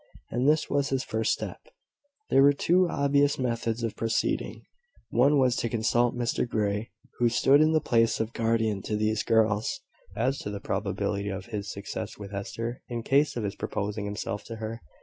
And this was his first step. There were two obvious methods of proceeding. One was to consult Mr Grey, who stood in the place of guardian to these girls, as to the probability of his success with Hester, in case of his proposing himself to her.